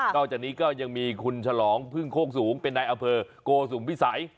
จากนี้ก็ยังมีคุณฉลองพึ่งโคกสูงเป็นนายอำเภอโกสุมพิสัย